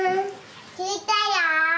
着いたよ。